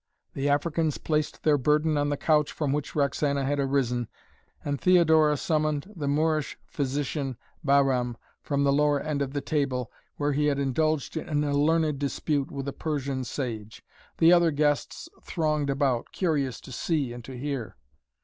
The Africans placed their burden on the couch from which Roxana had arisen, and Theodora summoned the Moorish physician Bahram from the lower end of the table, where he had indulged in a learned dispute with a Persian sage. The other guests thronged about, curious to see and to hear.